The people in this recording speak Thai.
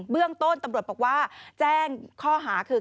เรื่องต้นตำรวจบอกว่าแจ้งข้อหาคือ